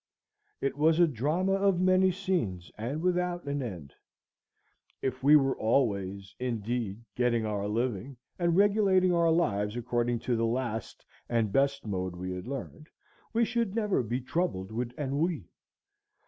It was a drama of many scenes and without an end. If we were always indeed getting our living, and regulating our lives according to the last and best mode we had learned, we should never be troubled with ennui.